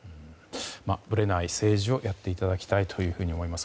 ぶれない政治をやっていただきたいと思います。